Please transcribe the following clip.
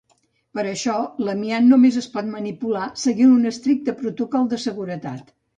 Per això, l'amiant només es pot manipular seguint un estricte protocol de seguretat.